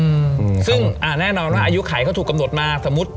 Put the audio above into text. อเจมส์ซึ่งอ่าแน่นอนว่าอายุขายเขาถูกกำหนดมาสมมุติ๖๐ปี